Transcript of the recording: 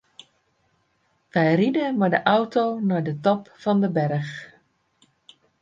Wy ride mei de auto nei de top fan de berch.